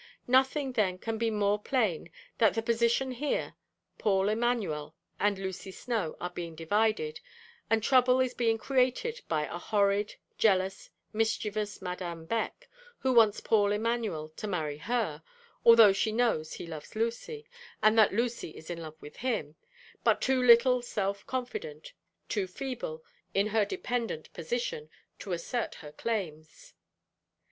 Nothing then can be more plain than the position here Paul Emanuel and Lucy Snowe are being divided, and trouble is being created, by a horrid, jealous, mischievous Madame Beck, who wants Paul Emanuel to marry her, although she knows he loves Lucy, and that Lucy is in love with him, but too little self confident, too feeble, in her dependent position, to assert her claims.